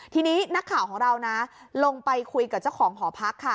ทีนี้นักข่าวของเรานะลงไปคุยกับเจ้าของหอพักค่ะ